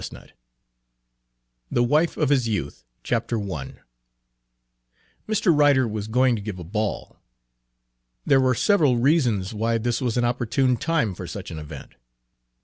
288 Page 1 THE WIFE OF HIS YOUTH I MR. RYDER was going to give a ball. There were several reasons why this was an opportune time for such an event.